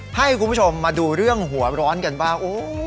ให้คุณผู้ชมมาดูเรื่องหัวร้อนกันบ้าง